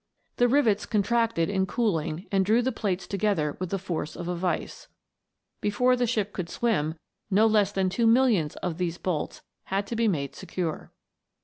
The rivets contracted THE WONDERFUL LAMP. 315 in cooling, and drew the plates together with the force of a vice. Before the ship could swim, no less than two millions of these bolts had to be made secure.